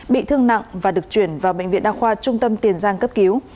bị thương nặng và được chuyển vào bệnh viện đa khoa trung tâm tiền giang cấp cứu